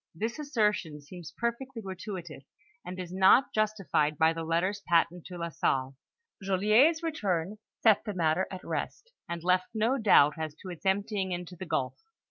* This assertion seems perfectly gratuitous, and is not justified by the letters patent to Ln Salle. Joliet's return set the matter at rest, and left no doubt as to its emptying into the gulf.